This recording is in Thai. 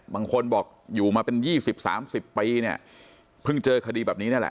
บางคนบอกอยู่มาเป็นยี่สิบสามสิบปีเนี่ยเพิ่งเจอคดีแบบนี้นั่นแหละ